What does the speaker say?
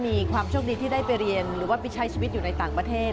มีความโชคดีที่ได้ไปเรียนหรือว่าไปใช้ชีวิตอยู่ในต่างประเทศ